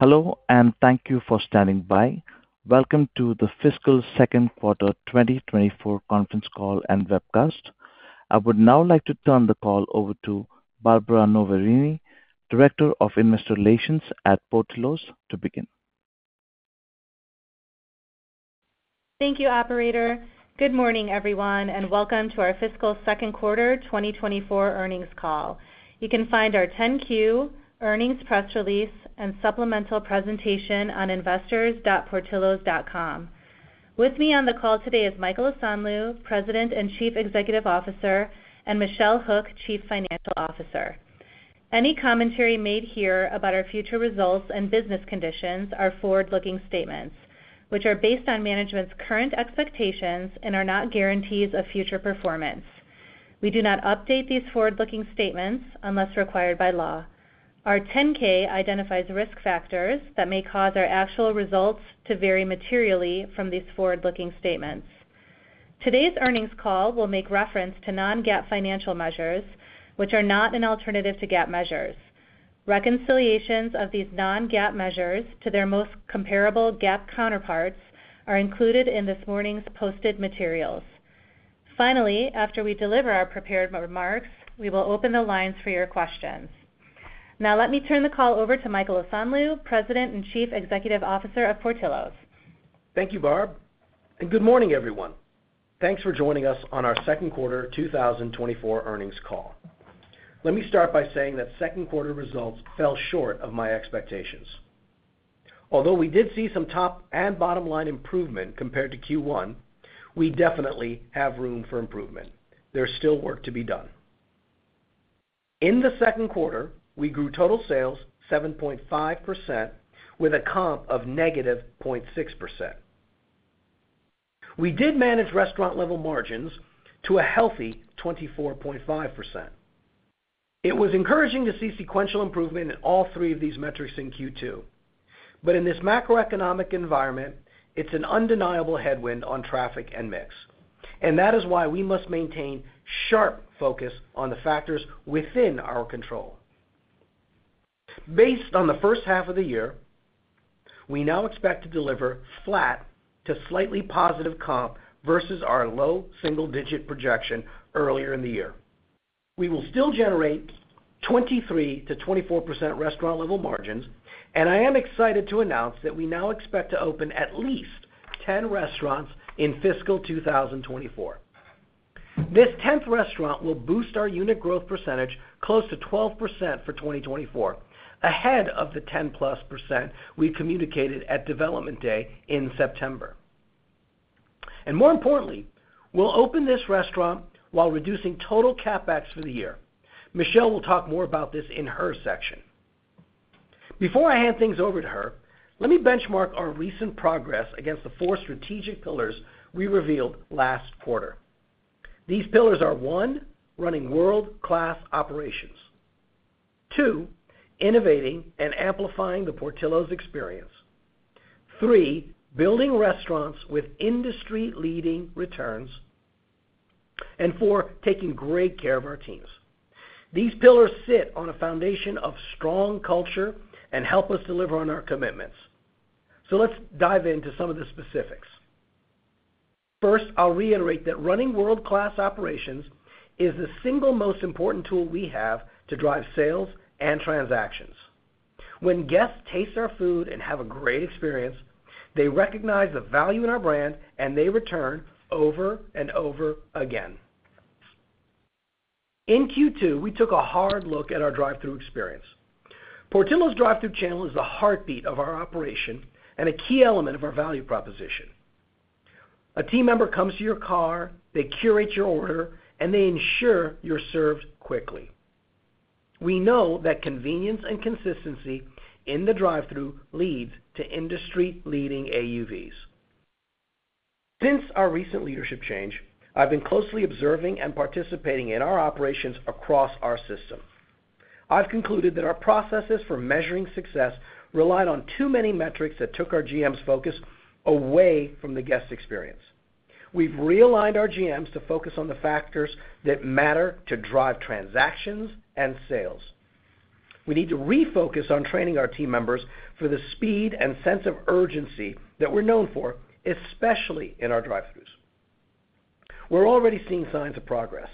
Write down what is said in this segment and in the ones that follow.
Hello, and thank you for standing by. Welcome to the fiscal second quarter 2024 conference call and webcast. I would now like to turn the call over to Barbara Noverini, Director of Investor Relations at Portillo's, to begin. Thank you, operator. Good morning, everyone, and welcome to our fiscal second quarter 2024 earnings call. You can find our 10-Q earnings press release and supplemental presentation on investors.portillos.com. With me on the call today is Michael Osanloo, President and Chief Executive Officer, and Michelle Hook, Chief Financial Officer. Any commentary made here about our future results and business conditions are forward-looking statements, which are based on management's current expectations and are not guarantees of future performance. We do not update these forward-looking statements unless required by law. Our 10-K identifies risk factors that may cause our actual results to vary materially from these forward-looking statements. Today's earnings call will make reference to non-GAAP financial measures, which are not an alternative to GAAP measures. Reconciliations of these non-GAAP measures to their most comparable GAAP counterparts are included in this morning's posted materials. Finally, after we deliver our prepared remarks, we will open the lines for your questions. Now let me turn the call over to Michael Osanloo, President and Chief Executive Officer of Portillo's. Thank you, Barb, and good morning, everyone. Thanks for joining us on our second quarter 2024 earnings call. Let me start by saying that second quarter results fell short of my expectations. Although we did see some top and bottom line improvement compared to Q1, we definitely have room for improvement. There's still work to be done. In the second quarter, we grew total sales 7.5% with a comp of -0.6%. We did manage restaurant level margins to a healthy 24.5%. It was encouraging to see sequential improvement in all three of these metrics in Q2. But in this macroeconomic environment, it's an undeniable headwind on traffic and mix, and that is why we must maintain sharp focus on the factors within our control. Based on the first half of the year, we now expect to deliver flat to slightly positive comp versus our low single-digit projection earlier in the year. We will still generate 23%-24% restaurant-level margins, and I am excited to announce that we now expect to open at least 10 restaurants in fiscal 2024. This tenth restaurant will boost our unit growth percentage close to 12% for 2024, ahead of the 10%+ we communicated at Development Day in September. And more importantly, we'll open this restaurant while reducing total CapEx for the year. Michelle will talk more about this in her section. Before I hand things over to her, let me benchmark our recent progress against the 4 strategic pillars we revealed last quarter. These pillars are, 1, running world-class operations. 2, innovating and amplifying the Portillo's experience. 3, building restaurants with industry-leading returns, and 4, taking great care of our teams. These pillars sit on a foundation of strong culture and help us deliver on our commitments. So let's dive into some of the specifics. First, I'll reiterate that running world-class operations is the single most important tool we have to drive sales and transactions. When guests taste our food and have a great experience, they recognize the value in our brand, and they return over and over again. In Q2, we took a hard look at our drive-thru experience. Portillo's drive-thru channel is the heartbeat of our operation and a key element of our value proposition. A team member comes to your car, they curate your order, and they ensure you're served quickly. We know that convenience and consistency in the drive-thru leads to industry-leading AUVs. Since our recent leadership change, I've been closely observing and participating in our operations across our system. I've concluded that our processes for measuring success relied on too many metrics that took our GMs' focus away from the guest experience. We've realigned our GMs to focus on the factors that matter to drive transactions and sales. We need to refocus on training our team members for the speed and sense of urgency that we're known for, especially in our drive-thrus. We're already seeing signs of progress.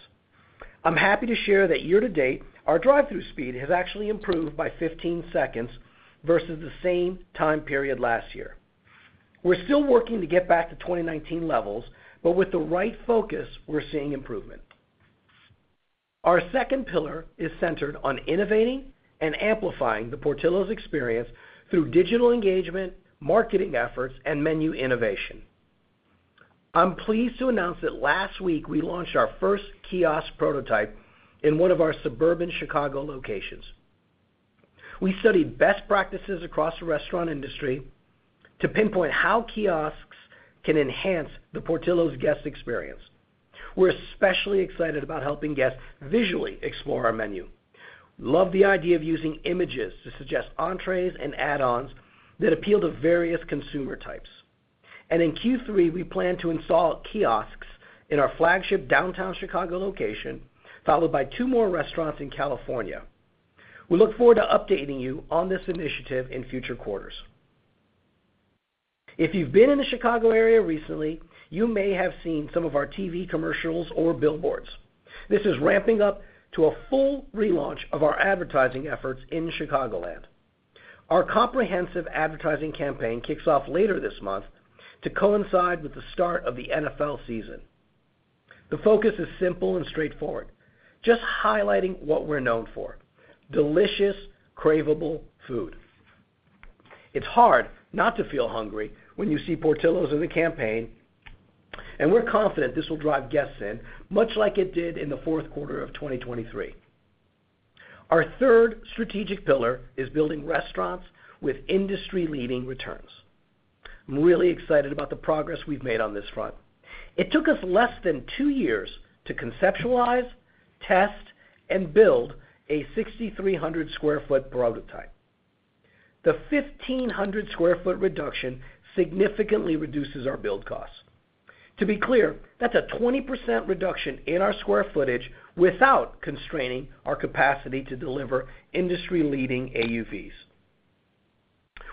I'm happy to share that year to date, our drive-thru speed has actually improved by 15 seconds versus the same time period last year. We're still working to get back to 2019 levels, but with the right focus, we're seeing improvement. Our second pillar is centered on innovating and amplifying the Portillo's experience through digital engagement, marketing efforts, and menu innovation. I'm pleased to announce that last week, we launched our first kiosk prototype in one of our suburban Chicago locations. We studied best practices across the restaurant industry to pinpoint how kiosks can enhance the Portillo's guest experience. We're especially excited about helping guests visually explore our menu. Love the idea of using images to suggest entrees and add-ons that appeal to various consumer types... and in Q3, we plan to install kiosks in our flagship downtown Chicago location, followed by two more restaurants in California. We look forward to updating you on this initiative in future quarters. If you've been in the Chicago area recently, you may have seen some of our TV commercials or billboards. This is ramping up to a full relaunch of our advertising efforts in Chicagoland. Our comprehensive advertising campaign kicks off later this month to coincide with the start of the NFL season. The focus is simple and straightforward, just highlighting what we're known for: delicious, cravable food. It's hard not to feel hungry when you see Portillo's in the campaign, and we're confident this will drive guests in, much like it did in the fourth quarter of 2023. Our third strategic pillar is building restaurants with industry-leading returns. I'm really excited about the progress we've made on this front. It took us less than two years to conceptualize, test, and build a 6,300 sq ft prototype. The 1,500 sq ft reduction significantly reduces our build costs. To be clear, that's a 20% reduction in our square footage without constraining our capacity to deliver industry-leading AUVs.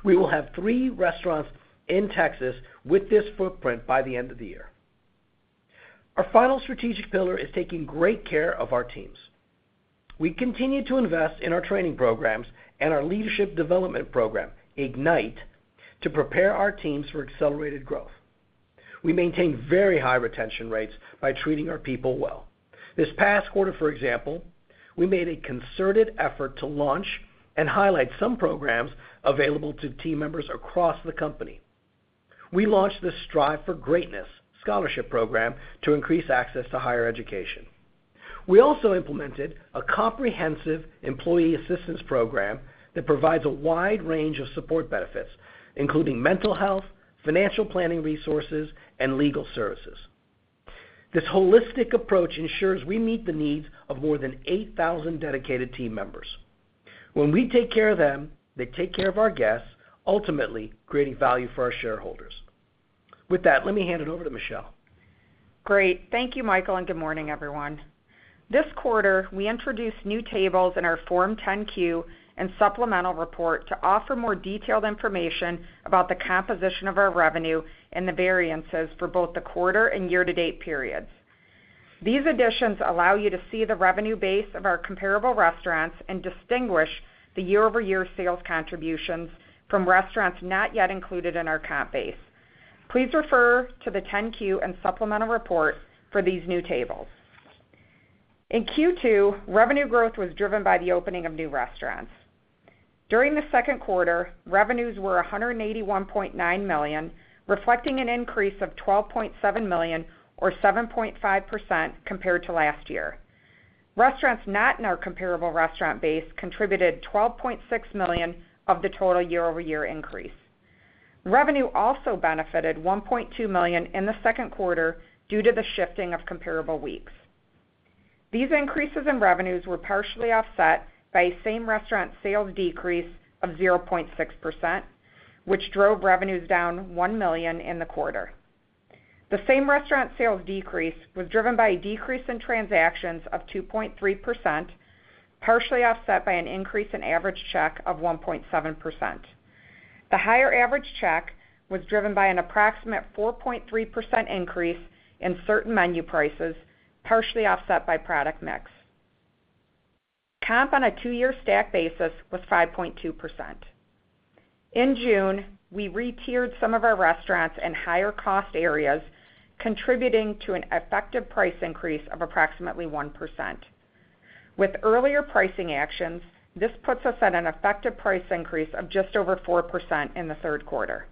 We will have three restaurants in Texas with this footprint by the end of the year. Our final strategic pillar is taking great care of our teams. We continue to invest in our training programs and our leadership development program, Ignite, to prepare our teams for accelerated growth. We maintain very high retention rates by treating our people well. This past quarter, for example, we made a concerted effort to launch and highlight some programs available to team members across the company. We launched the Strive for Greatness scholarship program to increase access to higher education. We also implemented a comprehensive employee assistance program that provides a wide range of support benefits, including mental health, financial planning resources, and legal services. This holistic approach ensures we meet the needs of more than 8,000 dedicated team members. When we take care of them, they take care of our guests, ultimately creating value for our shareholders. With that, let me hand it over to Michelle. Great. Thank you, Michael, and good morning, everyone. This quarter, we introduced new tables in our Form 10-Q and supplemental report to offer more detailed information about the composition of our revenue and the variances for both the quarter and year-to-date periods. These additions allow you to see the revenue base of our comparable restaurants and distinguish the year-over-year sales contributions from restaurants not yet included in our comp base. Please refer to the 10-Q and supplemental report for these new tables. In Q2, revenue growth was driven by the opening of new restaurants. During the second quarter, revenues were $181.9 million, reflecting an increase of $12.7 million, or 7.5% compared to last year. Restaurants not in our comparable restaurant base contributed $12.6 million of the total year-over-year increase. Revenue also benefited $1.2 million in the second quarter due to the shifting of comparable weeks. These increases in revenues were partially offset by same-restaurant sales decrease of 0.6%, which drove revenues down $1 million in the quarter. The same-restaurant sales decrease was driven by a decrease in transactions of 2.3%, partially offset by an increase in average check of 1.7%. The higher average check was driven by an approximate 4.3% increase in certain menu prices, partially offset by product mix. Comp on a two-year stack basis was 5.2%. In June, we re-tiered some of our restaurants in higher-cost areas, contributing to an effective price increase of approximately 1%. With earlier pricing actions, this puts us at an effective price increase of just over 4% in the third quarter.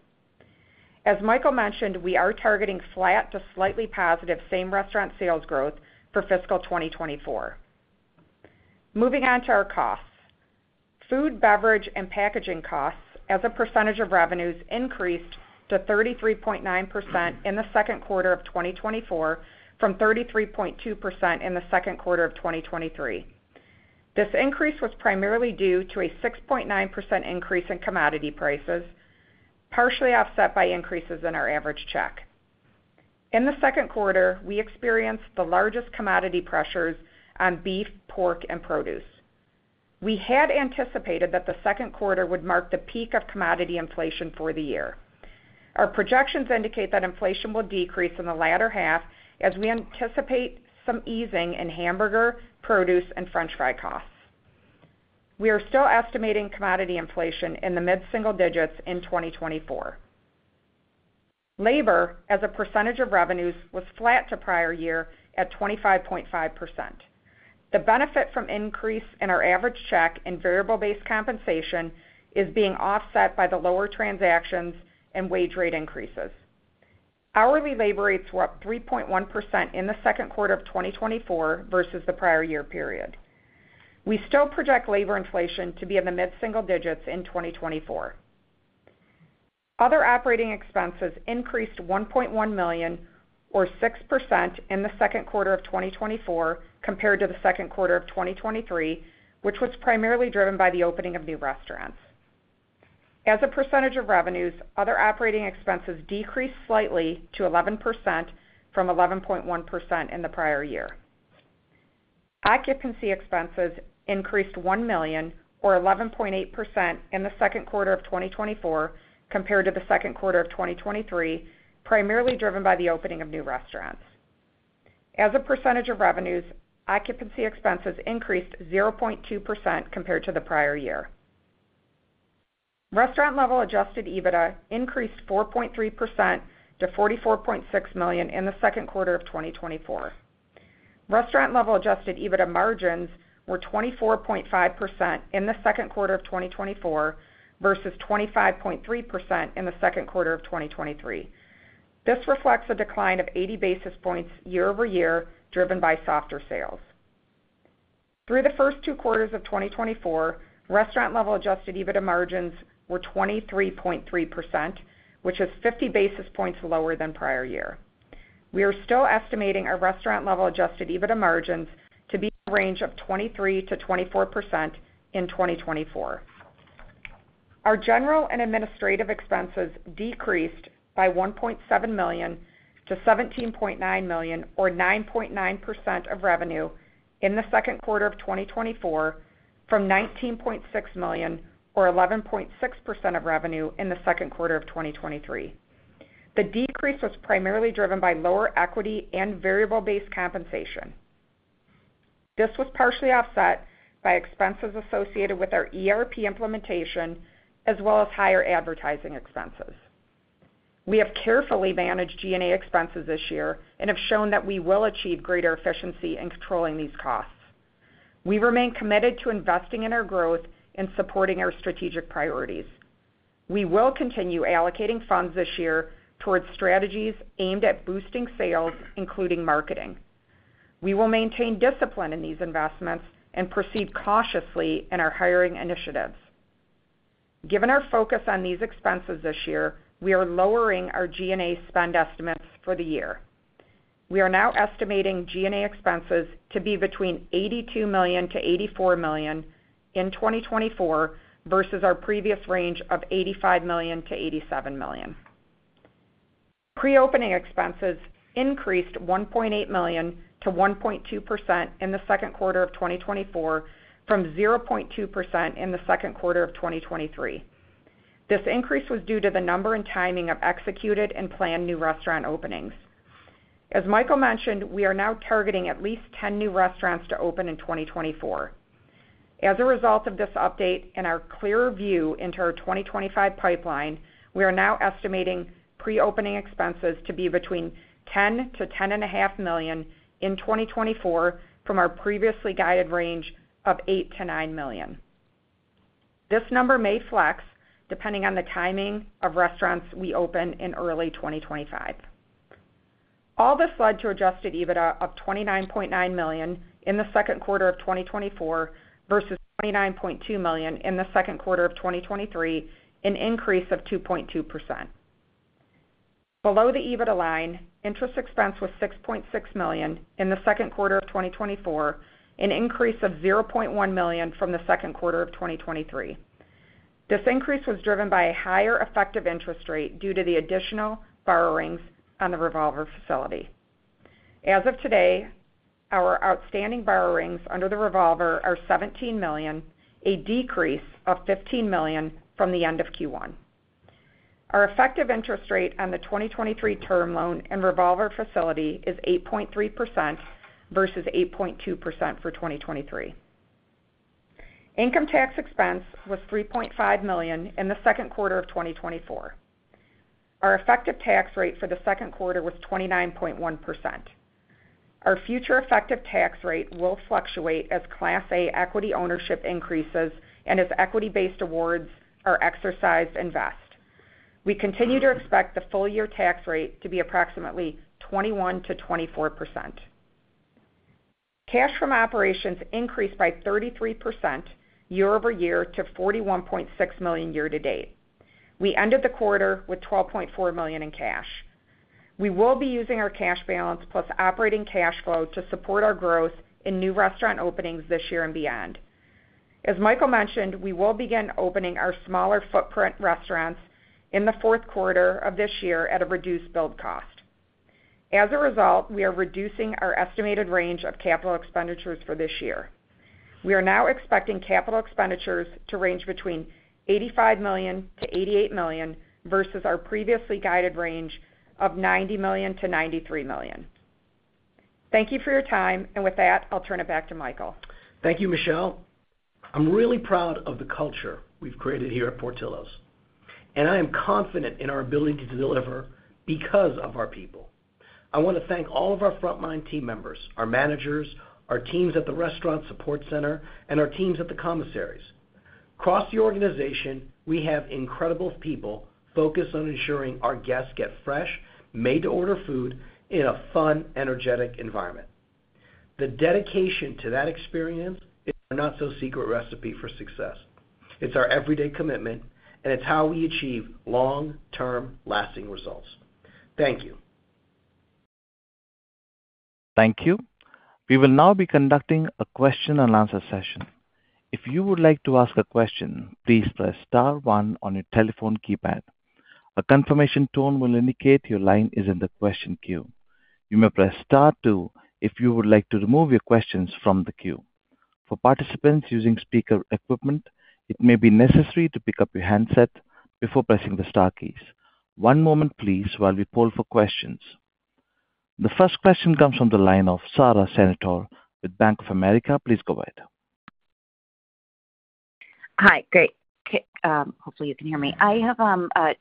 As Michael mentioned, we are targeting flat to slightly positive same-restaurant sales growth for fiscal 2024. Moving on to our costs. Food, beverage, and packaging costs as a percentage of revenues increased to 33.9% in the second quarter of 2024, from 33.2% in the second quarter of 2023. This increase was primarily due to a 6.9% increase in commodity prices, partially offset by increases in our average check. In the second quarter, we experienced the largest commodity pressures on beef, pork, and produce. We had anticipated that the second quarter would mark the peak of commodity inflation for the year. Our projections indicate that inflation will decrease in the latter half as we anticipate some easing in hamburger, produce, and french fry costs. We are still estimating commodity inflation in the mid-single digits in 2024. Labor, as a percentage of revenues, was flat to prior year at 25.5%. The benefit from increase in our average check and variable-based compensation is being offset by the lower transactions and wage rate increases. Hourly labor rates were up 3.1% in the second quarter of 2024 versus the prior year period. We still project labor inflation to be in the mid-single digits in 2024. Other operating expenses increased $1.1 million or 6% in the second quarter of 2024 compared to the second quarter of 2023, which was primarily driven by the opening of new restaurants. As a percentage of revenues, other operating expenses decreased slightly to 11% from 11.1% in the prior year. Occupancy expenses increased $1 million, or 11.8% in the second quarter of 2024 compared to the second quarter of 2023, primarily driven by the opening of new restaurants. As a percentage of revenues, occupancy expenses increased 0.2% compared to the prior year. Restaurant-level adjusted EBITDA increased 4.3% to $44.6 million in the second quarter of 2024. Restaurant-level adjusted EBITDA margins were 24.5% in the second quarter of 2024 versus 25.3% in the second quarter of 2023. This reflects a decline of 80 basis points year-over-year, driven by softer sales. Through the first two quarters of 2024, restaurant-level adjusted EBITDA margins were 23.3%, which is 50 basis points lower than prior year. We are still estimating our restaurant-level adjusted EBITDA margins to be a range of 23%-24% in 2024. Our general and administrative expenses decreased by $1.7 million - $17.9 million, or 9.9% of revenue, in the second quarter of 2024 from $19.6 million, or 11.6% of revenue, in the second quarter of 2023. The decrease was primarily driven by lower equity and variable-based compensation. This was partially offset by expenses associated with our ERP implementation, as well as higher advertising expenses. We have carefully managed G&A expenses this year and have shown that we will achieve greater efficiency in controlling these costs. We remain committed to investing in our growth and supporting our strategic priorities. We will continue allocating funds this year towards strategies aimed at boosting sales, including marketing. We will maintain discipline in these investments and proceed cautiously in our hiring initiatives. Given our focus on these expenses this year, we are lowering our G&A spend estimates for the year. We are now estimating G&A expenses to be between $82 million-$84 million in 2024 versus our previous range of $85 million-$87 million. Pre-opening expenses increased $1.8 million to 1.2% in the second quarter of 2024 from 0.2% in the second quarter of 2023. This increase was due to the number and timing of executed and planned new restaurant openings. As Michael mentioned, we are now targeting at least 10 new restaurants to open in 2024. As a result of this update and our clearer view into our 2025 pipeline, we are now estimating pre-opening expenses to be between $10-$10.5 million in 2024 from our previously guided range of $8-$9 million. This number may flex depending on the timing of restaurants we open in early 2025. All this led to adjusted EBITDA of $29.9 million in the second quarter of 2024 versus $29.2 million in the second quarter of 2023, an increase of 2.2%. Below the EBITDA line, interest expense was $6.6 million in the second quarter of 2024, an increase of $0.1 million from the second quarter of 2023. This increase was driven by a higher effective interest rate due to the additional borrowings on the revolver facility. As of today, our outstanding borrowings under the revolver are $17 million, a decrease of $15 million from the end of Q1. Our effective interest rate on the 2023 term loan and revolver facility is 8.3% versus 8.2% for 2023. Income tax expense was $3.5 million in the second quarter of 2024. Our effective tax rate for the second quarter was 29.1%. Our future effective tax rate will fluctuate as Class A equity ownership increases and as equity-based awards are exercised and vested. We continue to expect the full year tax rate to be approximately 21%-24%. Cash from operations increased by 33% year-over-year to $41.6 million year to date. We ended the quarter with $12.4 million in cash. We will be using our cash balance plus operating cash flow to support our growth in new restaurant openings this year and beyond. As Michael mentioned, we will begin opening our smaller footprint restaurants in the fourth quarter of this year at a reduced build cost. As a result, we are reducing our estimated range of capital expenditures for this year. We are now expecting capital expenditures to range between $85 million-$88 million, versus our previously guided range of $90 million-$93 million. Thank you for your time, and with that, I'll turn it back to Michael. Thank you, Michelle. I'm really proud of the culture we've created here at Portillo's, and I am confident in our ability to deliver because of our people. I want to thank all of our frontline team members, our managers, our teams at the restaurant support center, and our teams at the commissaries. Across the organization, we have incredible people focused on ensuring our guests get fresh, made-to-order food in a fun, energetic environment.... The dedication to that experience is our not-so-secret recipe for success. It's our everyday commitment, and it's how we achieve long-term, lasting results. Thank you. Thank you. We will now be conducting a question-and-answer session. If you would like to ask a question, please press star one on your telephone keypad. A confirmation tone will indicate your line is in the question queue. You may press star two if you would like to remove your questions from the queue. For participants using speaker equipment, it may be necessary to pick up your handset before pressing the star keys. One moment, please, while we poll for questions. The first question comes from the line of Sara Senatore with Bank of America. Please go ahead. Hi. Great. Hopefully, you can hear me. I have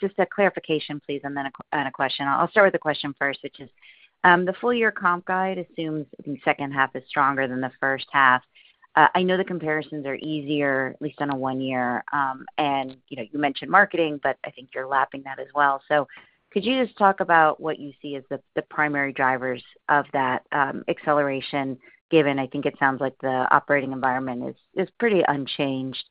just a clarification, please, and then a question. I'll start with the question first, which is, the full year comp guide assumes the second half is stronger than the first half. I know the comparisons are easier, at least on a one year, and, you know, you mentioned marketing, but I think you're lapping that as well. So could you just talk about what you see as the primary drivers of that acceleration, given I think it sounds like the operating environment is pretty unchanged,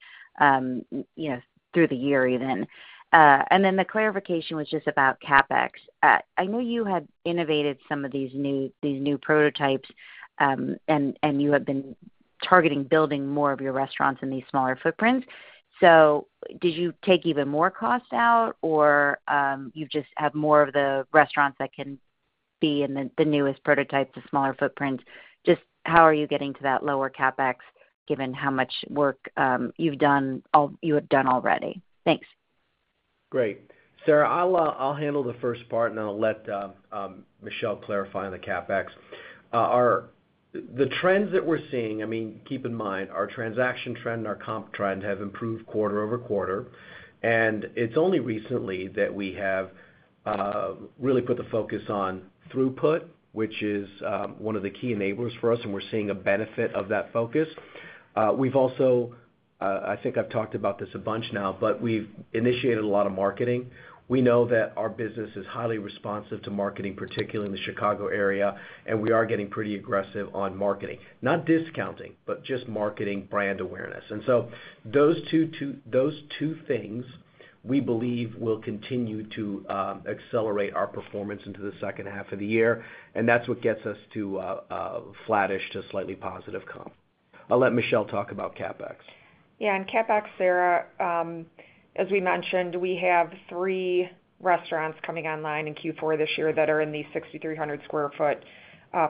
you know, through the year even? And then the clarification was just about CapEx. I know you had innovated some of these new, these new prototypes, and, and you have been targeting building more of your restaurants in these smaller footprints. So did you take even more cost out, or, you just have more of the restaurants that can be in the, the newest prototypes, the smaller footprints? Just how are you getting to that lower CapEx, given how much work, you've done all-- you have done already? Thanks. Great. Sara, I'll, I'll handle the first part, and then I'll let Michelle clarify on the CapEx. The trends that we're seeing, I mean, keep in mind, our transaction trend and our comp trend have improved quarter-over-quarter, and it's only recently that we have really put the focus on throughput, which is one of the key enablers for us, and we're seeing a benefit of that focus. We've also, I think I've talked about this a bunch now, but we've initiated a lot of marketing. We know that our business is highly responsive to marketing, particularly in the Chicago area, and we are getting pretty aggressive on marketing. Not discounting, but just marketing brand awareness. And so those two things, we believe, will continue to accelerate our performance into the second half of the year, and that's what gets us to a flattish to slightly positive comp. I'll let Michelle talk about CapEx. Yeah, on CapEx, Sara, as we mentioned, we have 3 restaurants coming online in Q4 this year that are in the 6,300 sq ft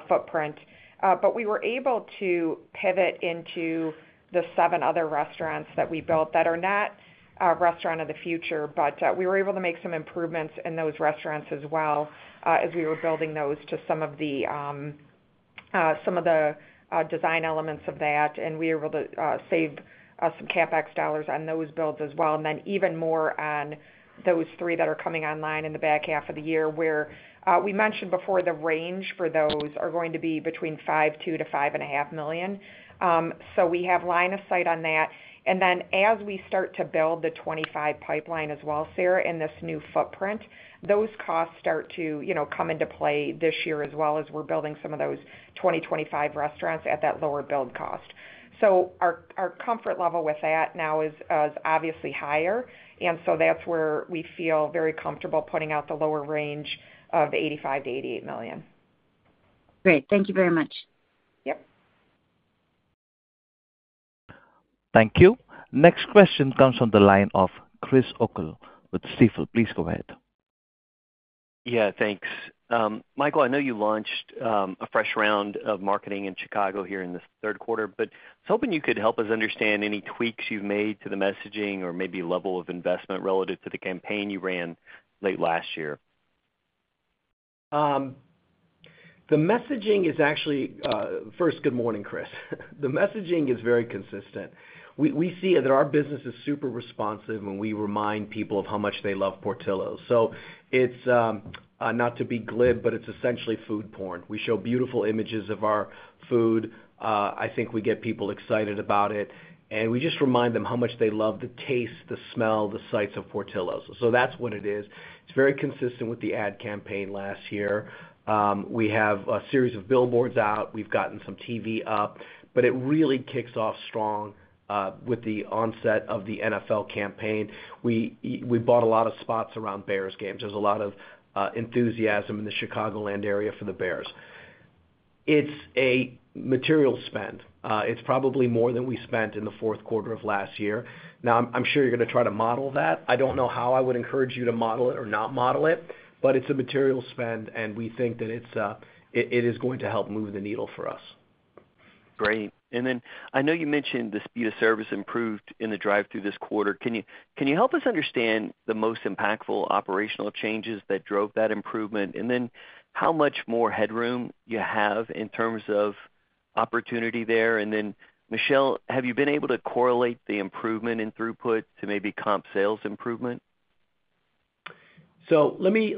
footprint. But we were able to pivot into the 7 other restaurants that we built that are not our Restaurant of the Future, but we were able to make some improvements in those restaurants as well, as we were building those to some of the design elements of that, and we were able to save us some CapEx dollars on those builds as well. And then even more on those 3 that are coming online in the back half of the year, where we mentioned before, the range for those are going to be between $5.2 million-$5.5 million. So we have line of sight on that. And then, as we start to build the 25 pipeline as well, Sara, in this new footprint, those costs start to, you know, come into play this year as well as we're building some of those 2025 restaurants at that lower build cost. So our, our comfort level with that now is, is obviously higher, and so that's where we feel very comfortable putting out the lower range of $85 million-$88 million. Great. Thank you very much. Yep. Thank you. Next question comes from the line of Chris O'Cull with Stifel. Please go ahead. Yeah, thanks. Michael, I know you launched a fresh round of marketing in Chicago here in the third quarter, but I was hoping you could help us understand any tweaks you've made to the messaging or maybe level of investment relative to the campaign you ran late last year. The messaging is actually... First, good morning, Chris. The messaging is very consistent. We see that our business is super responsive, and we remind people of how much they love Portillo's. So it's not to be glib, but it's essentially food porn. We show beautiful images of our food. I think we get people excited about it, and we just remind them how much they love the taste, the smell, the sights of Portillo's. So that's what it is. It's very consistent with the ad campaign last year. We have a series of billboards out. We've gotten some TV up, but it really kicks off strong with the onset of the NFL campaign. We bought a lot of spots around Bears games. There's a lot of enthusiasm in the Chicagoland area for the Bears. It's a material spend. It's probably more than we spent in the fourth quarter of last year. Now, I'm sure you're gonna try to model that. I don't know how I would encourage you to model it or not model it, but it's a material spend, and we think that it's, it is going to help move the needle for us. Great. And then I know you mentioned the speed of service improved in the drive-thru this quarter. Can you, can you help us understand the most impactful operational changes that drove that improvement? And then how much more headroom you have in terms of opportunity there? And then, Michelle, have you been able to correlate the improvement in throughput to maybe comp sales improvement? So let me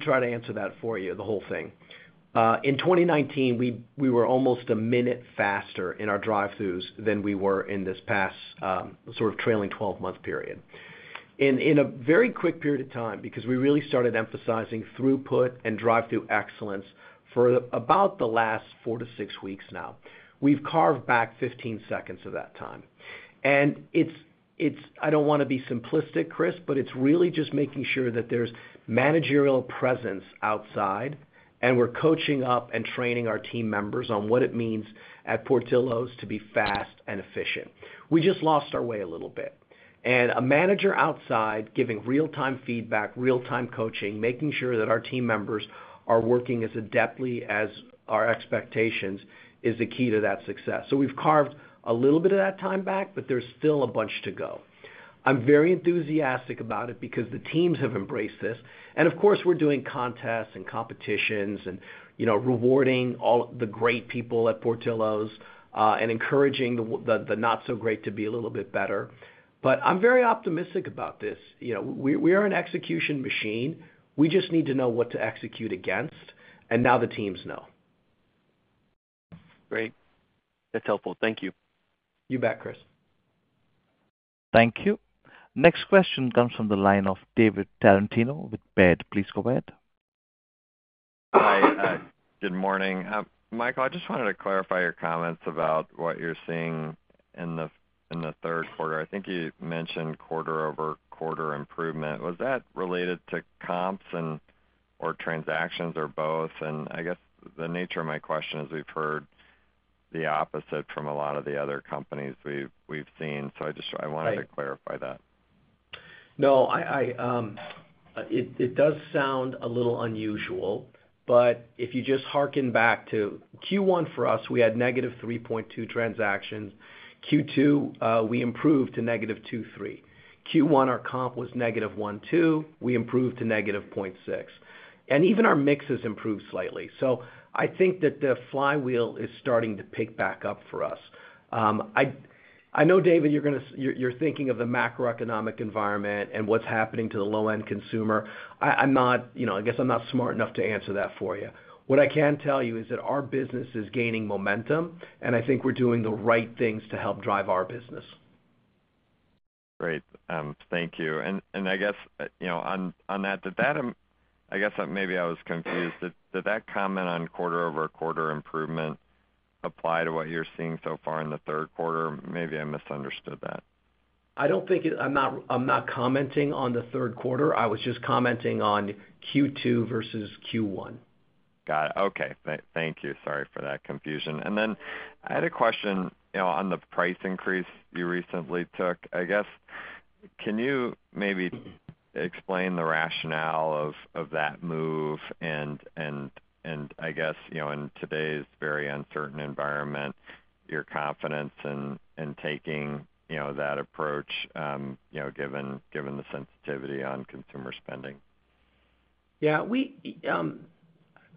try to answer that for you, the whole thing. In 2019, we were almost a minute faster in our drive-thrus than we were in this past sort of trailing twelve-month period. In a very quick period of time, because we really started emphasizing throughput and drive-thru excellence for about the last 4-6 weeks now. We've carved back 15 seconds of that time. And it's, I don't wanna be simplistic, Chris, but it's really just making sure that there's managerial presence outside, and we're coaching up and training our team members on what it means at Portillo's to be fast and efficient. We just lost our way a little bit. And a manager outside, giving real-time feedback, real-time coaching, making sure that our team members are working as adeptly as our expectations, is the key to that success. So we've carved a little bit of that time back, but there's still a bunch to go. I'm very enthusiastic about it because the teams have embraced this. And, of course, we're doing contests and competitions and, you know, rewarding all the great people at Portillo's, and encouraging the not so great to be a little bit better. But I'm very optimistic about this. You know, we are an execution machine. We just need to know what to execute against, and now the teams know. Great. That's helpful. Thank you. You bet, Chris. Thank you. Next question comes from the line of David Tarantino with Baird. Please go ahead. Hi, good morning. Michael, I just wanted to clarify your comments about what you're seeing in the third quarter. I think you mentioned quarter-over-quarter improvement. Was that related to comps and/or transactions or both? I guess the nature of my question is, we've heard the opposite from a lot of the other companies we've seen, so I just wanted to clarify that. No, it does sound a little unusual, but if you just harken back to Q1 for us, we had -3.2 transactions. Q2, we improved to -2.3. Q1, our comp was -1.2, we improved to -0.6, and even our mix has improved slightly. So I think that the flywheel is starting to pick back up for us. I know, David, you're gonna—you're thinking of the macroeconomic environment and what's happening to the low-end consumer. I'm not... You know, I guess I'm not smart enough to answer that for you. What I can tell you is that our business is gaining momentum, and I think we're doing the right things to help drive our business. Great, thank you. And I guess, you know, on that, I guess maybe I was confused. Did that comment on quarter-over-quarter improvement apply to what you're seeing so far in the third quarter? Maybe I misunderstood that. I don't think it. I'm not, I'm not commenting on the third quarter. I was just commenting on Q2 versus Q1. Got it. Okay. Thank you. Sorry for that confusion. And then I had a question, you know, on the price increase you recently took. I guess, can you maybe explain the rationale of that move and I guess, you know, in today's very uncertain environment, your confidence in taking, you know, that approach, you know, given the sensitivity on consumer spending? Yeah, we...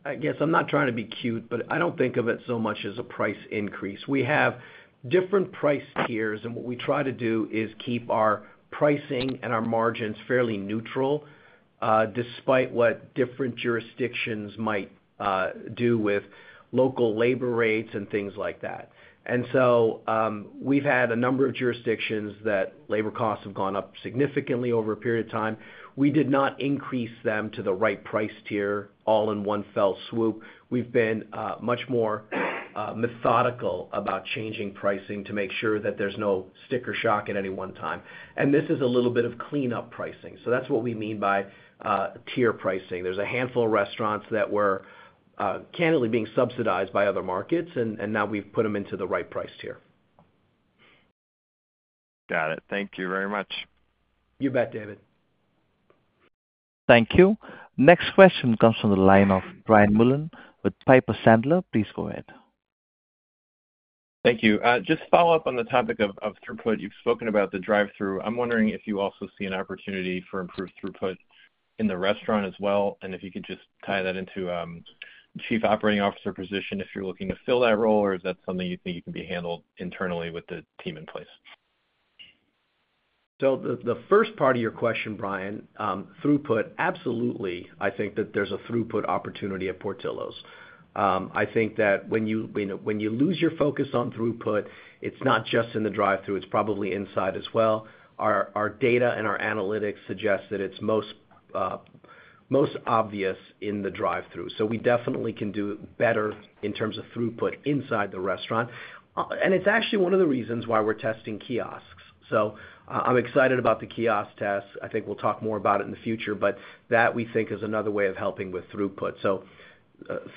I guess I'm not trying to be cute, but I don't think of it so much as a price increase. We have different price tiers, and what we try to do is keep our pricing and our margins fairly neutral, despite what different jurisdictions might do with local labor rates and things like that. And so, we've had a number of jurisdictions that labor costs have gone up significantly over a period of time. We did not increase them to the right price tier all in one fell swoop. We've been much more methodical about changing pricing to make sure that there's no sticker shock at any one time. And this is a little bit of cleanup pricing, so that's what we mean by tier pricing. There's a handful of restaurants that were candidly being subsidized by other markets, and, and now we've put them into the right price tier. Got it. Thank you very much. You bet, David. Thank you. Next question comes from the line of Brian Mullan with Piper Sandler. Please go ahead. Thank you. Just follow up on the topic of throughput. You've spoken about the drive-thru. I'm wondering if you also see an opportunity for improved throughput in the restaurant as well, and if you could just tie that into Chief Operating Officer position, if you're looking to fill that role, or is that something you think can be handled internally with the team in place? So the first part of your question, Brian, throughput, absolutely, I think that there's a throughput opportunity at Portillo's. I think that when you lose your focus on throughput, it's not just in the drive-thru, it's probably inside as well. Our data and our analytics suggest that it's most obvious in the drive-thru, so we definitely can do better in terms of throughput inside the restaurant. And it's actually one of the reasons why we're testing kiosks. So, I'm excited about the kiosk test. I think we'll talk more about it in the future, but that, we think, is another way of helping with throughput. So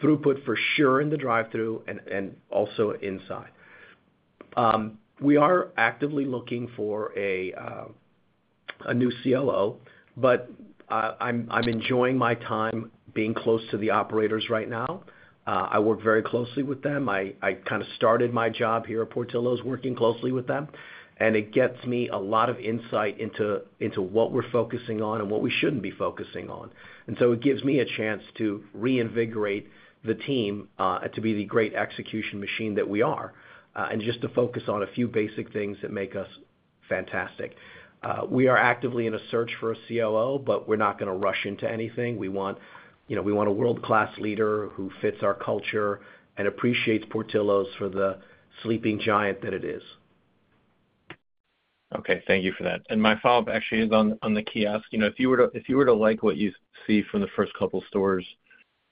throughput for sure, in the drive-thru and also inside. We are actively looking for a new COO, but I'm enjoying my time being close to the operators right now. I work very closely with them. I kind of started my job here at Portillo's, working closely with them, and it gets me a lot of insight into what we're focusing on and what we shouldn't be focusing on. And so it gives me a chance to reinvigorate the team to be the great execution machine that we are, and just to focus on a few basic things that make us fantastic. We are actively in a search for a COO, but we're not gonna rush into anything. We want, you know, we want a world-class leader who fits our culture and appreciates Portillo's for the sleeping giant that it is.... Okay, thank you for that. And my follow-up actually is on the kiosk. You know, if you were to like what you see from the first couple stores,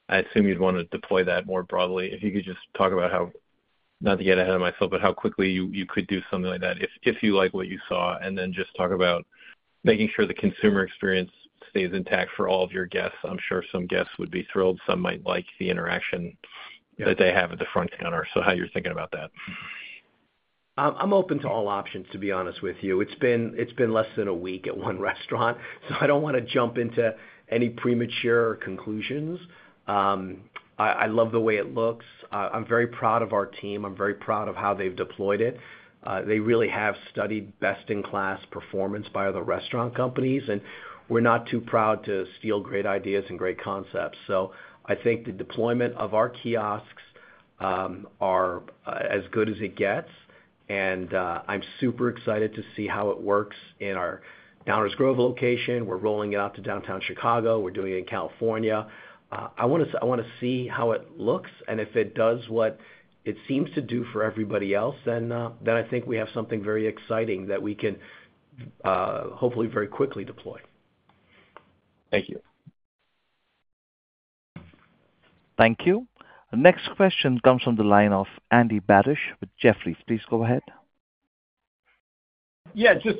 I assume you'd want to deploy that more broadly. If you could just talk about how, not to get ahead of myself, but how quickly you could do something like that, if you like what you saw, and then just talk about making sure the consumer experience stays intact for all of your guests. I'm sure some guests would be thrilled, some might like the interaction that they have at the front counter, so how you're thinking about that? I'm open to all options, to be honest with you. It's been less than a week at one restaurant, so I don't wanna jump into any premature conclusions. I love the way it looks. I'm very proud of our team. I'm very proud of how they've deployed it. They really have studied best-in-class performance by other restaurant companies, and we're not too proud to steal great ideas and great concepts. So I think the deployment of our kiosks are as good as it gets, and I'm super excited to see how it works in our Downers Grove location. We're rolling it out to downtown Chicago. We're doing it in California. I wanna see how it looks, and if it does what it seems to do for everybody else, then, then I think we have something very exciting that we can, hopefully, very quickly deploy. Thank you. Thank you. The next question comes from the line of Andy Barish with Jefferies. Please go ahead. Yeah, just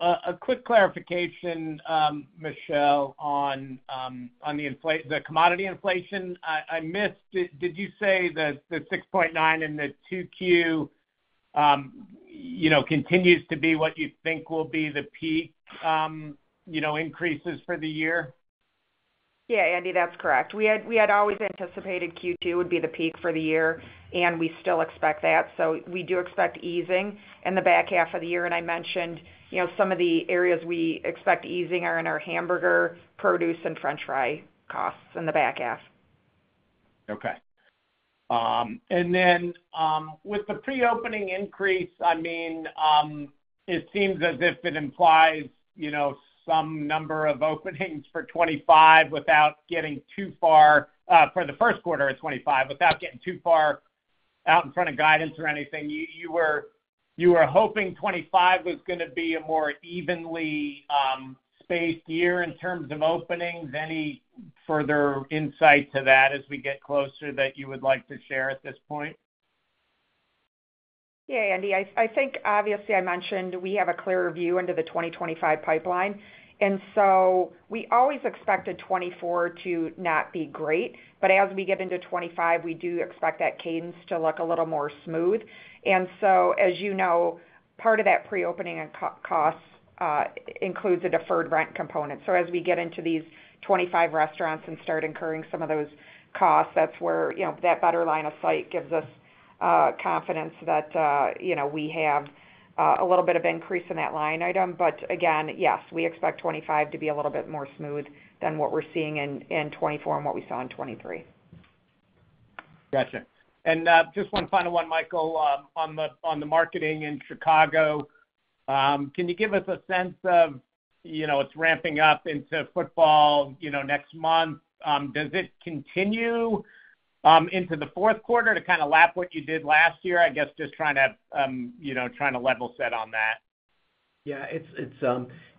a quick clarification, Michelle, on the commodity inflation. I missed. Did you say that the 6.9 in the 2Q, you know, continues to be what you think will be the peak, you know, increases for the year? Yeah, Andy, that's correct. We had always anticipated Q2 would be the peak for the year, and we still expect that. So we do expect easing in the back half of the year, and I mentioned, you know, some of the areas we expect easing are in our hamburger, produce, and french fry costs in the back half. Okay. And then, with the pre-opening increase, I mean, it seems as if it implies, you know, some number of openings for 2025 without getting too far, for the first quarter of 2025, without getting too far out in front of guidance or anything. You were hoping 2025 was gonna be a more evenly spaced year in terms of openings. Any further insight to that as we get closer that you would like to share at this point? Yeah, Andy, I think obviously I mentioned we have a clearer view into the 2025 pipeline, and so we always expected 2024 to not be great. But as we get into 2025, we do expect that cadence to look a little more smooth. And so, as you know, part of that pre-opening and co- costs includes a deferred rent component. So as we get into these 25 restaurants and start incurring some of those costs, that's where, you know, that better line of sight gives us confidence that, you know, we have a little bit of increase in that line item. But again, yes, we expect 2025 to be a little bit more smooth than what we're seeing in 2024 and what we saw in 2023. Gotcha. And, just one final one, Michael, on the, on the marketing in Chicago. Can you give us a sense of, you know, it's ramping up into football, you know, next month. Does it continue into the fourth quarter to kind of lap what you did last year? I guess just trying to, you know, trying to level set on that. Yeah,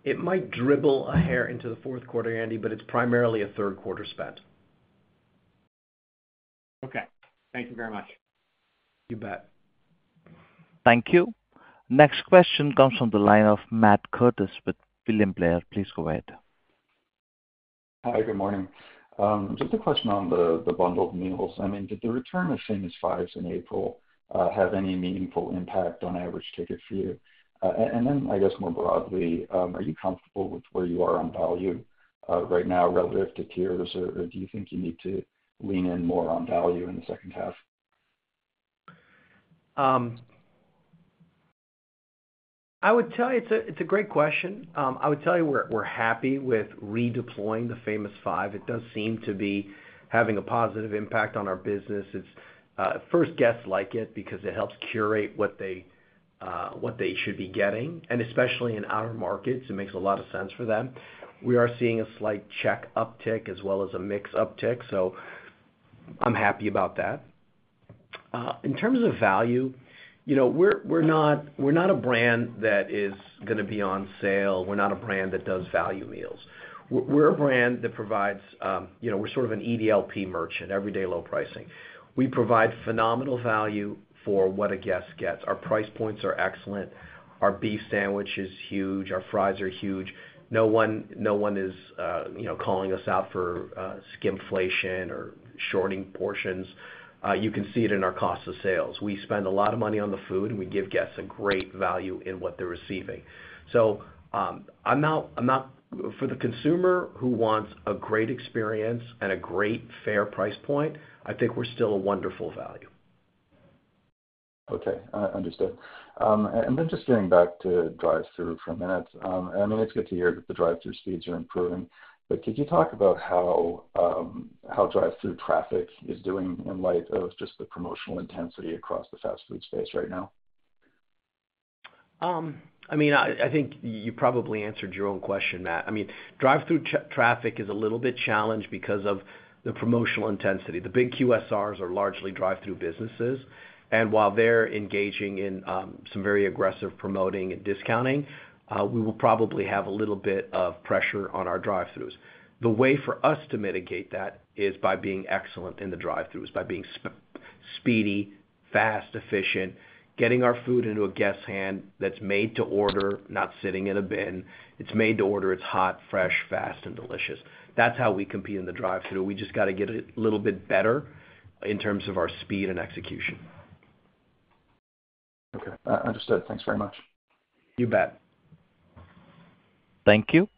it might dribble a hair into the fourth quarter, Andy, but it's primarily a third quarter spend. Okay. Thank you very much. You bet. Thank you. Next question comes from the line of Matt Curtis with William Blair. Please go ahead. Hi, good morning. Just a question on the bundled meals. I mean, did the return of Famous 5 in April have any meaningful impact on average ticket for you? And then, I guess, more broadly, are you comfortable with where you are on value right now relative to peers, or do you think you need to lean in more on value in the second half? I would tell you it's a great question. I would tell you we're happy with redeploying the Famous Five. It does seem to be having a positive impact on our business. It's first, guests like it because it helps curate what they should be getting, and especially in outer markets, it makes a lot of sense for them. We are seeing a slight check uptick as well as a mix uptick, so I'm happy about that. In terms of value, you know, we're not a brand that is gonna be on sale. We're not a brand that does value meals. We're a brand that provides, you know, we're sort of an EDLP merchant, everyday low pricing. We provide phenomenal value for what a guest gets. Our price points are excellent. Our beef sandwich is huge. Our fries are huge. No one, no one is, you know, calling us out for skimpflation or shorting portions. You can see it in our cost of sales. We spend a lot of money on the food, and we give guests a great value in what they're receiving. So, for the consumer who wants a great experience and a great fair price point, I think we're still a wonderful value. Okay, understood. And then just getting back to drive-thru for a minute. I mean, it's good to hear that the drive-thru speeds are improving, but could you talk about how drive-thru traffic is doing in light of just the promotional intensity across the fast food space right now? I mean, I think you probably answered your own question, Matt. I mean, drive-thru traffic is a little bit challenged because of the promotional intensity. The big QSRs are largely drive-thru businesses. And while they're engaging in some very aggressive promoting and discounting, we will probably have a little bit of pressure on our drive-throughs. The way for us to mitigate that is by being excellent in the drive-throughs, by being speedy, fast, efficient, getting our food into a guest's hand that's made to order, not sitting in a bin. It's made to order. It's hot, fresh, fast, and delicious. That's how we compete in the drive-through. We just got to get a little bit better in terms of our speed and execution. Okay, understood. Thanks very much. You bet. Thank you.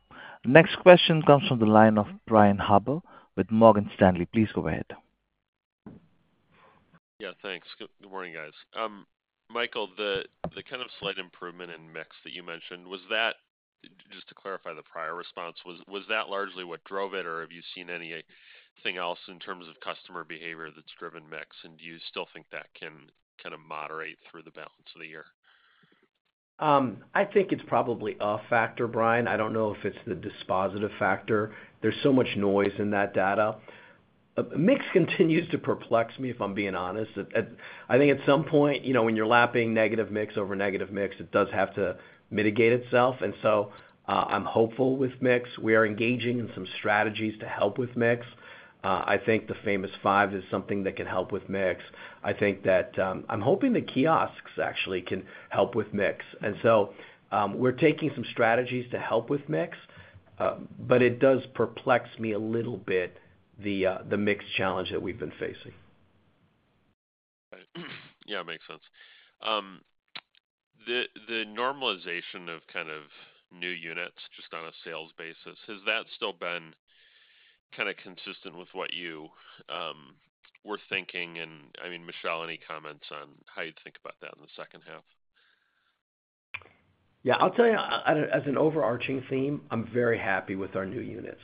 Next question comes from the line of Brian Harbour with Morgan Stanley. Please go ahead. Yeah, thanks. Good morning, guys. Michael, the kind of slight improvement in mix that you mentioned, was that, just to clarify the prior response, largely what drove it, or have you seen anything else in terms of customer behavior that's driven mix, and do you still think that can kind of moderate through the balance of the year? I think it's probably a factor, Brian. I don't know if it's the dispositive factor. There's so much noise in that data. Mix continues to perplex me, if I'm being honest. At some point, you know, when you're lapping negative mix over negative mix, it does have to mitigate itself, and so, I'm hopeful with mix. We are engaging in some strategies to help with mix. I think the Famous Five is something that can help with mix. I think that, I'm hoping the kiosks actually can help with mix. And so, we're taking some strategies to help with mix, but it does perplex me a little bit, the mix challenge that we've been facing. Yeah, makes sense. The normalization of kind of new units, just on a sales basis, has that still been kind of consistent with what you were thinking? And, I mean, Michelle, any comments on how you think about that in the second half? Yeah, I'll tell you, as an overarching theme, I'm very happy with our new units.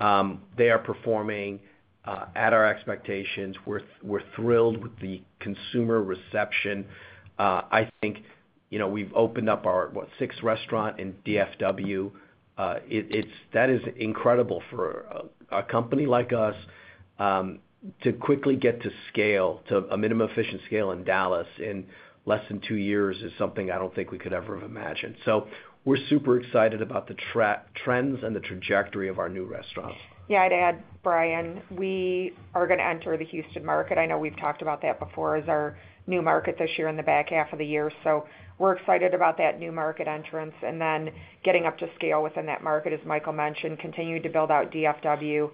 They are performing at our expectations. We're thrilled with the consumer reception. I think, you know, we've opened up our sixth restaurant in DFW. It is incredible for a company like us to quickly get to scale, to a minimum efficient scale in Dallas in less than two years is something I don't think we could ever have imagined. So we're super excited about the trends and the trajectory of our new restaurants. Yeah, I'd add, Brian, we are going to enter the Houston market. I know we've talked about that before as our new market this year in the back half of the year. So we're excited about that new market entrance, and then getting up to scale within that market, as Michael mentioned, continuing to build out DFW,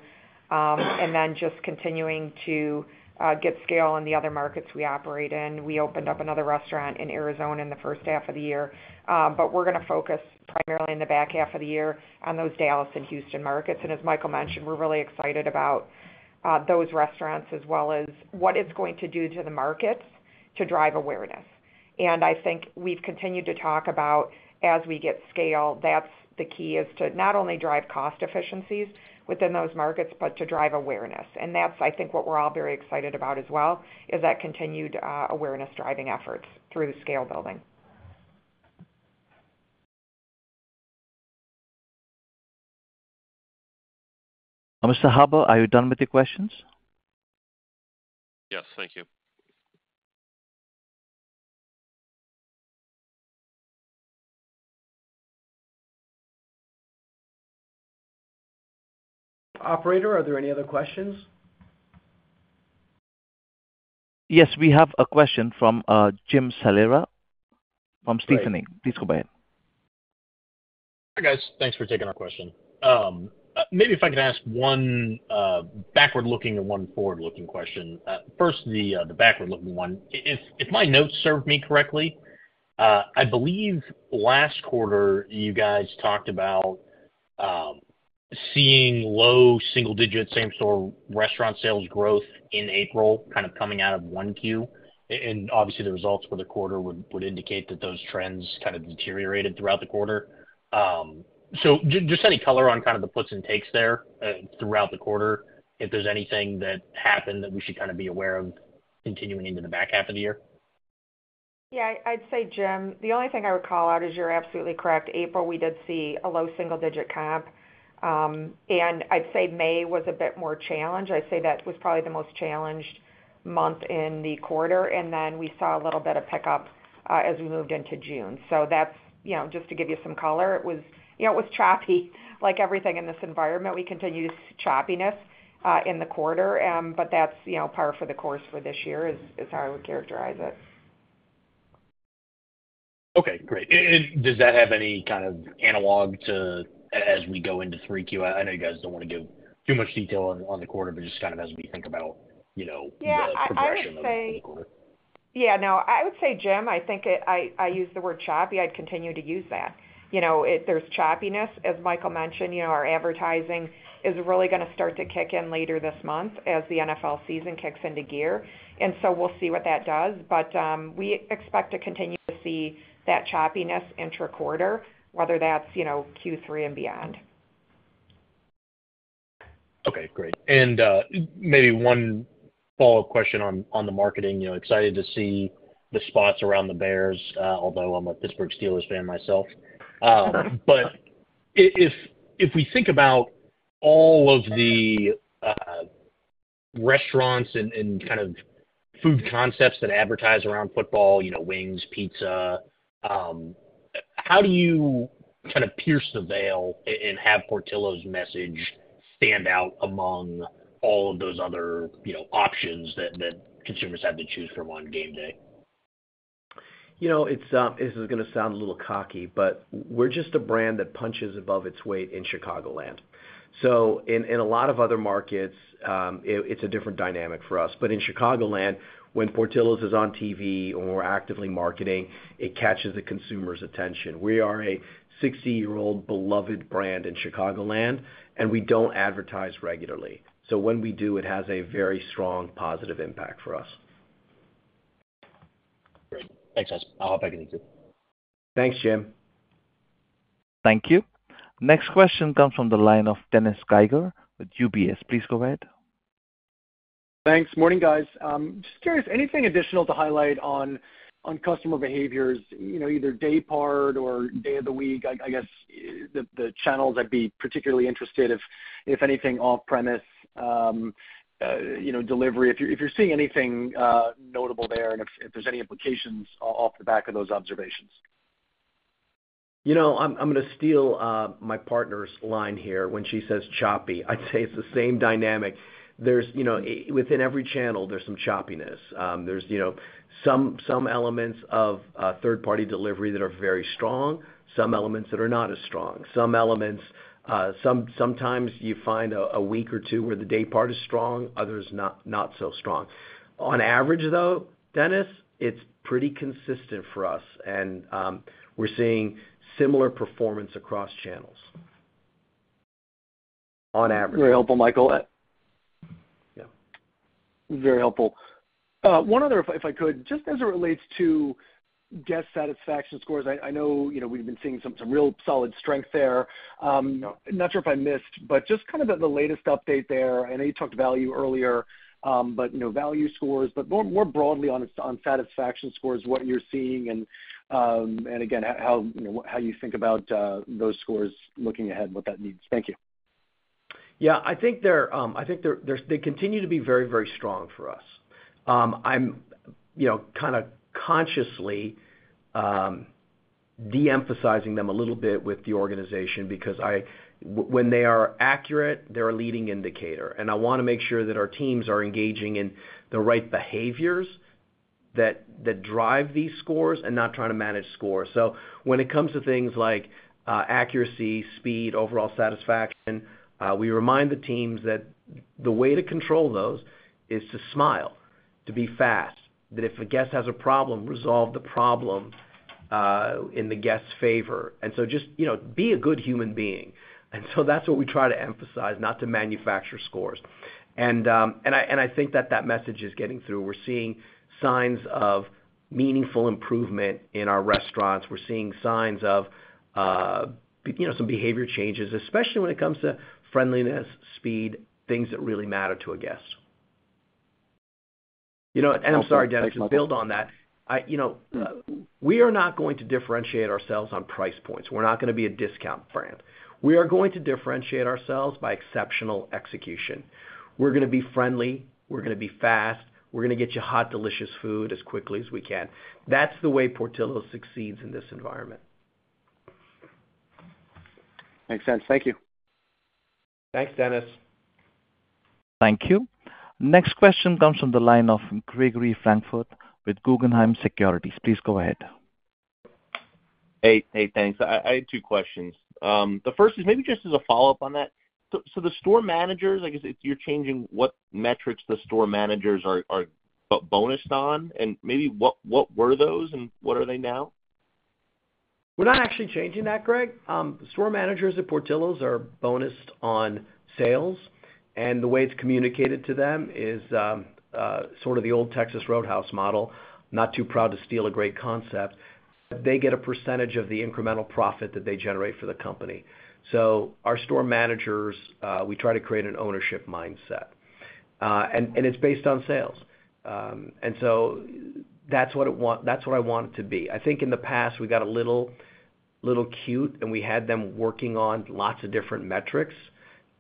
and then just continuing to get scale in the other markets we operate in. We opened up another restaurant in Arizona in the first half of the year, but we're going to focus primarily in the back half of the year on those Dallas and Houston markets. And as Michael mentioned, we're really excited about those restaurants as well as what it's going to do to the markets to drive awareness. I think we've continued to talk about as we get scale, that's the key, is to not only drive cost efficiencies within those markets, but to drive awareness. That's, I think, what we're all very excited about as well, is that continued, awareness driving efforts through the scale building. M`r. Harbour, are you done with your questions? Yes, thank you. Operator, are there any other questions? Yes, we have a question from Jim Salera from Stephens Inc. Please go ahead. Hi, guys. Thanks for taking our question. Maybe if I could ask one, backward-looking and one forward-looking question. First, the, the backward-looking one. If my notes serve me correctly, I believe last quarter, you guys talked about, seeing low single digits same-store restaurant sales growth in April, kind of coming out of 1Q. And obviously, the results for the quarter would indicate that those trends kind of deteriorated throughout the quarter. So just any color on kind of the puts and takes there, throughout the quarter, if there's anything that happened that we should kind of be aware of continuing into the back half of the year? Yeah, I'd say, Jim, the only thing I would call out is you're absolutely correct. April, we did see a low single digit comp, and I'd say May was a bit more challenged. I'd say that was probably the most challenged month in the quarter, and then we saw a little bit of pickup as we moved into June. So that's, you know, just to give you some color. It was, you know, it was choppy. Like everything in this environment, we continued to see choppiness in the quarter. But that's, you know, par for the course for this year, is, is how I would characterize it. Okay, great. And does that have any kind of analog to—as we go into 3Q? I know you guys don't want to give too much detail on the quarter, but just kind of as we think about, you know, the progression of the quarter. Yeah, I would say, Jim, I think I used the word choppy. I'd continue to use that. You know, it, there's choppiness, as Michael mentioned, you know, our advertising is really going to start to kick in later this month as the NFL season kicks into gear, and so we'll see what that does. But, we expect to continue to see that choppiness interquarter, whether that's, you know, Q3 and beyond. Okay, great. And maybe one follow-up question on the marketing. You know, excited to see the spots around the Bears, although I'm a Pittsburgh Steelers fan myself. But if we think about all of the restaurants and kind of food concepts that advertise around football, you know, wings, pizza, how do you kind of pierce the veil and have Portillo's message stand out among all of those other, you know, options that consumers have to choose from on game day? You know, it's this is gonna sound a little cocky, but we're just a brand that punches above its weight in Chicagoland. So in a lot of other markets, it's a different dynamic for us. But in Chicagoland, when Portillo's is on TV or we're actively marketing, it catches the consumer's attention. We are a 60-year-old beloved brand in Chicagoland, and we don't advertise regularly. So when we do, it has a very strong positive impact for us. Great. Thanks, guys. I'll hop back in, too. Thanks, Jim. Thank you. Next question comes from the line of Dennis Geiger with UBS. Please go ahead. Thanks. Morning, guys. Just curious, anything additional to highlight on customer behaviors, you know, either day part or day of the week? I guess, the channels I'd be particularly interested if anything off-premise, you know, delivery, if you're seeing anything notable there, and if there's any implications off the back of those observations. You know, I'm gonna steal my partner's line here when she says, "choppy." I'd say it's the same dynamic. There's you know, within every channel, there's some choppiness. There's you know, some elements of third-party delivery that are very strong, some elements that are not as strong. Some elements, sometimes you find a week or two where the day part is strong, others not so strong. On average, though, Dennis, it's pretty consistent for us, and we're seeing similar performance across channels, on average. Very helpful, Michael. Yeah, very helpful. One other, if I could, just as it relates to guest satisfaction scores. I know, you know, we've been seeing some real solid strength there. Not sure if I missed, but just kind of the latest update there. I know you talked value earlier, but, you know, value scores, but more broadly on satisfaction scores, what you're seeing and again, how, you know, how you think about those scores looking ahead and what that means. Thank you. Yeah, I think they're-- they continue to be very, very strong for us. I'm, you know, kind of consciously de-emphasizing them a little bit with the organization because when they are accurate, they're a leading indicator, and I wanna make sure that our teams are engaging in the right behaviors that drive these scores and not trying to manage scores. So when it comes to things like accuracy, speed, overall satisfaction, we remind the teams that the way to control those is to smile, to be fast, that if a guest has a problem, resolve the problem in the guest's favor, and so just, you know, be a good human being. And so that's what we try to emphasize, not to manufacture scores. And I think that that message is getting through. We're seeing signs of meaningful improvement in our restaurants. We're seeing signs of, you know, some behavior changes, especially when it comes to friendliness, speed, things that really matter to a guest. You know what? And I'm sorry, Dennis, to build on that. You know, we are not going to differentiate ourselves on price points. We're not gonna be a discount brand. We are going to differentiate ourselves by exceptional execution. We're gonna be friendly, we're gonna be fast, we're gonna get you hot, delicious food as quickly as we can. That's the way Portillo's succeeds in this environment. Makes sense. Thank you. Thanks, Dennis. Thank you. Next question comes from the line of Gregory Francfort with Guggenheim Securities. Please go ahead. Hey, hey, thanks. I had two questions. The first is maybe just as a follow-up on that. So the store managers, I guess, if you're changing what metrics the store managers are bonused on, and maybe what were those, and what are they now? We're not actually changing that, Greg. Store managers at Portillo's are bonused on sales, and the way it's communicated to them is, sort of the old Texas Roadhouse model, not too proud to steal a great concept. They get a percentage of the incremental profit that they generate for the company. So our store managers, we try to create an ownership mindset, and it's based on sales. And so that's what I want, that's what I want it to be. I think in the past we got a little, little cute, and we had them working on lots of different metrics,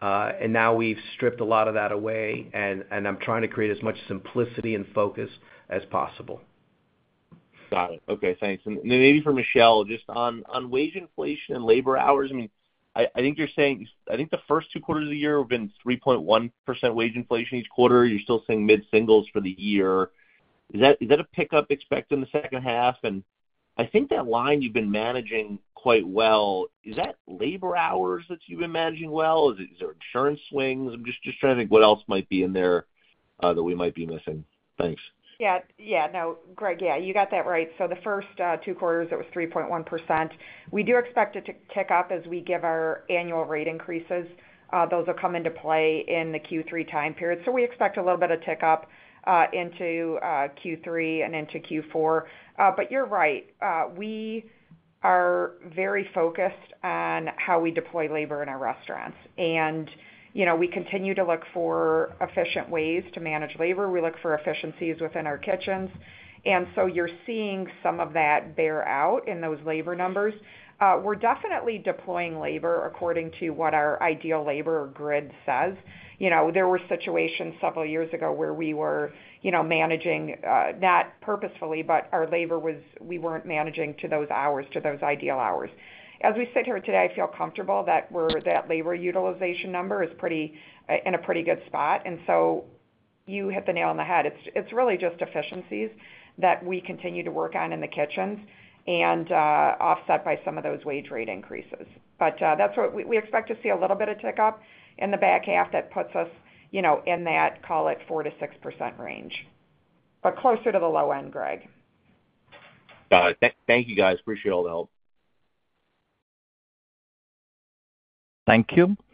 and now we've stripped a lot of that away, and I'm trying to create as much simplicity and focus as possible. Got it. Okay, thanks. And then maybe for Michelle, just on wage inflation and labor hours. I mean, I think you're saying—I think the first two quarters of the year have been 3.1% wage inflation each quarter. You're still seeing mid-singles for the year. Is that a pickup expected in the second half? And I think that line you've been managing quite well, is that labor hours that you've been managing well? Is it, is there insurance swings? I'm just trying to think what else might be in there, that we might be missing. Thanks. Yeah, yeah. No, Greg, yeah, you got that right. So the first two quarters, it was 3.1%. We do expect it to kick up as we give our annual rate increases. Those will come into play in the Q3 time period. So we expect a little bit of tick up into Q3 and into Q4. But you're right. We are very focused on how we deploy labor in our restaurants. And, you know, we continue to look for efficient ways to manage labor. We look for efficiencies within our kitchens, and so you're seeing some of that bear out in those labor numbers. We're definitely deploying labor according to what our ideal labor grid says. You know, there were situations several years ago where we were, you know, managing, not purposefully, but our labor was, we weren't managing to those hours, to those ideal hours. As we sit here today, I feel comfortable that we're, that labor utilization number is pretty in a pretty good spot, and so you hit the nail on the head. It's, it's really just efficiencies that we continue to work on in the kitchens and, offset by some of those wage rate increases. But, that's what... We, we expect to see a little bit of tick up in the back half. That puts us, you know, in that, call it 4%-6% range, but closer to the low end, Greg. Got it. Thank you, guys. Appreciate all the help. Thank you.